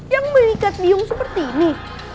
yang mengikat diung seperti ini